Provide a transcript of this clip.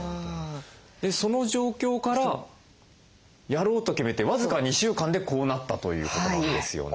その状況からやろうと決めて僅か２週間でこうなったということなんですよね。